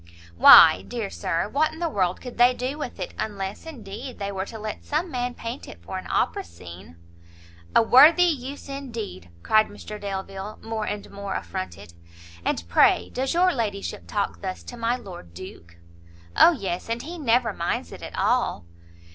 "Why, dear Sir, what in the world could they do with it? unless, indeed, they were to let some man paint it for an opera scene." "A worthy use indeed!" cried Mr Delvile, more and more affronted; "and pray does your ladyship talk thus to my Lord Duke?" "O yes; and he never minds it at all."